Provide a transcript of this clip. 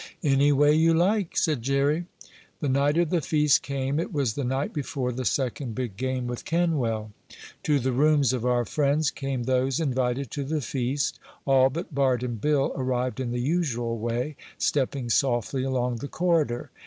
"Any way you like," said Jerry. The night of the feast came. It was the night before the second big game with Kenwell. To the rooms of our friends came those invited to the feast. All but Bart and Bill arrived in the usual way, stepping softly along the corridor.